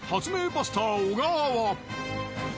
バスター小川は。